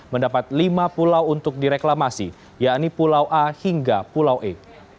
mendapat lima pulau untuk direklamasi yakni pulau a hingga pulau e